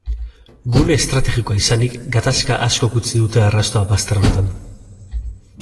Gune estrategikoa izanik, gatazka askok utzi dute arrastoa bazterrotan.